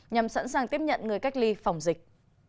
nhằm sẵn sàng tiếp nhận người cách ly phòng dịch